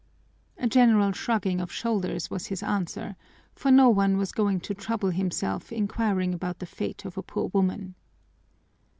A general shrugging of shoulders was his answer, for no one was going to trouble himself inquiring about the fate of a poor woman.